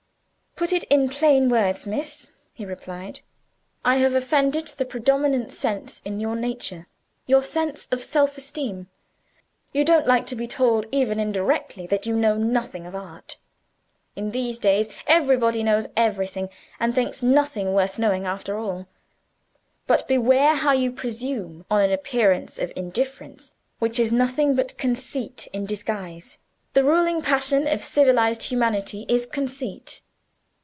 "Put it in plain words, miss," he replied. "I have offended the predominant sense in your nature your sense of self esteem. You don't like to be told, even indirectly, that you know nothing of Art. In these days, everybody knows everything and thinks nothing worth knowing after all. But beware how you presume on an appearance of indifference, which is nothing but conceit in disguise. The ruling passion of civilized humanity is, Conceit.